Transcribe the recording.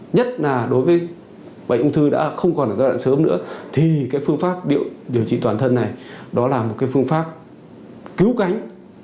nhất là đối với bệnh ung thư đã không còn ở giai đoạn sớm nữa thì cái phương pháp điều trị toàn thân này đó là một cái phương pháp cứu cánh